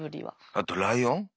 あとライオン。